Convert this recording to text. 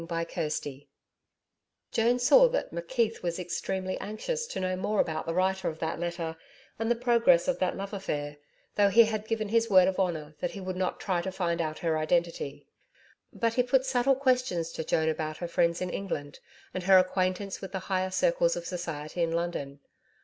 CHAPTER 7 Joan saw that McKeith was extremely anxious to know more about the writer of that letter and the progress of that love affair, though he had given his word of honour that he would not try to find out her identity. But he put subtle questions to Joan about her friends in England and her acquaintance with the higher circles of society in London.